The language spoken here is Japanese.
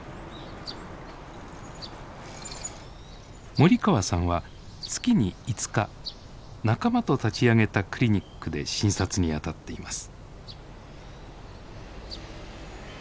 森川さんは月に５日仲間と立ち上げたクリニックで診察にあたっています。